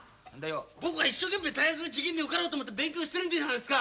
僕は一生懸命大学受験に受かろうと思って勉強してるんじゃないっすか！